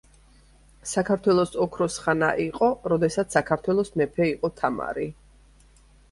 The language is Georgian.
საქართველოს ოქროს ხანა იყო, როდესაც საქართველოს მეფე იყო თამარი.